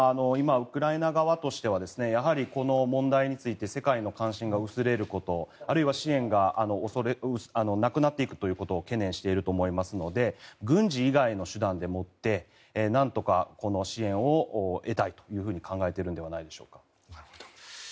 今、ウクライナ側としてはやはりこの問題について世界の関心が薄れることあるいは、支援がなくなっていくということを懸念していると思いますので軍事以外の手段でもってなんとかこの支援を得たいと考えているんじゃないでしょうか。